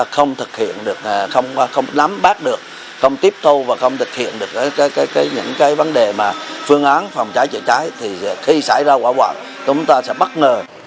không nắm bác được không tiếp thu và không thực hiện được những cái vấn đề mà phương án phòng cháy chữa cháy thì khi xảy ra quả quạng chúng ta sẽ bất ngờ